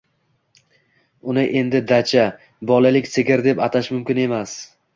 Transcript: Uni endi "dacha", bolalik sigir deb atash mumkin emas